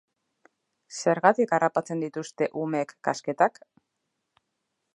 Zergatik harrapatzen dituzte umeek kasketak?